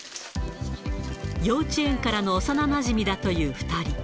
幼稚園からの幼なじみだという２人。